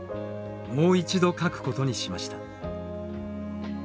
もう一度描くことにしました。